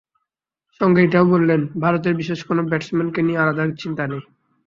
সঙ্গে এটাও বললেন, ভারতের বিশেষ কোনো ব্যাটসম্যানকে নিয়ে আলাদা চিন্তা নেই।